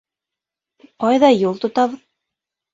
- Ҡайҙа юл тотабыҙ?